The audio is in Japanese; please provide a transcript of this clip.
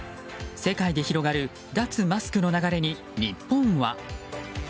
世界で広がる脱マスクの流れに日本は？